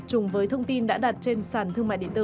chùng với thông tin đã đặt trên sàn thương mại điện tử